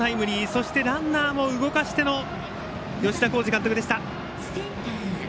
そして、ランナーも動かしての吉田洸二監督でした。